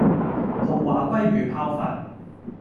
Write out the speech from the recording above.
豪華鮭魚泡飯